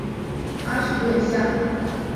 阿什顿巷。